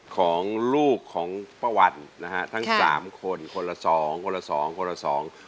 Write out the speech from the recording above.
ของลูกของป้าวันนะฮะทั้งสามคนคนละสองคนละสองคนละสอง